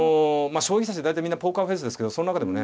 将棋指しは大体みんなポーカーフェイスですけどその中でもね